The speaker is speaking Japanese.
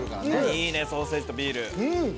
いいねソーセージとビール。